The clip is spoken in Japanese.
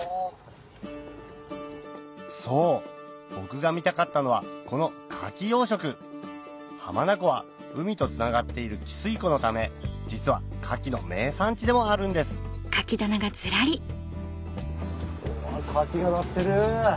そう僕が見たかったのはこの牡蠣養殖浜名湖は海とつながっている汽水湖のため実は牡蠣の名産地でもあるんですおぉ牡蠣がなってる。